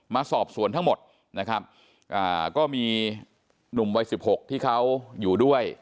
มาสอบสวนทั้งหมดนะครับก็มีหนุ่มวัยสิบหกที่เขาอยู่ด้วย